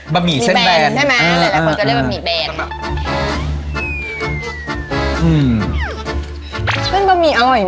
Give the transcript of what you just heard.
บะหมี่เส้นแบนใช่ไหมอ่าอ่าหลายคนจะเรียกว่าบะหมี่แบนอืม